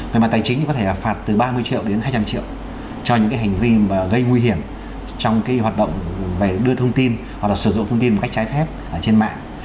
về mặt tài chính thì có thể là phạt từ ba mươi triệu đến hai trăm linh triệu cho những hành vi mà gây nguy hiểm trong hoạt động về đưa thông tin hoặc là sử dụng thông tin một cách trái phép trên mạng